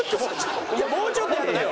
もうちょっとやってよ。